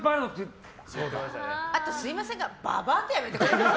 あとすいませんがババアってやめてくれます？